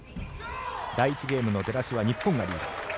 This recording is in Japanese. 第１ゲームの出だしは日本がリード。